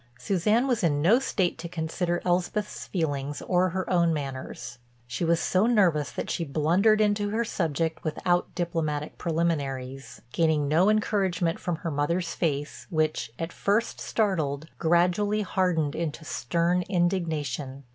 Suzanne was in no state to consider Elspeth's feelings or her own manners. She was so nervous that she blundered into her subject without diplomatic preliminaries, gaining no encouragement from her mother's face, which, at first startled, gradually hardened into stern indignation.